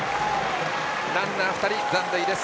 ランナー、２人残塁です。